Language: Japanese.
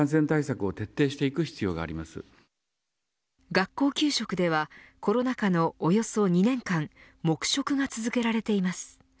学校給食ではコロナ禍のおよそ２年間黙食が続けられています。